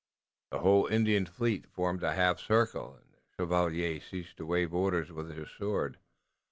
The whole Indian fleet formed in a half circle and the Chevalier ceased to wave orders with his sword.